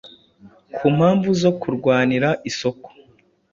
ku mpamvu zo kurwanira isoko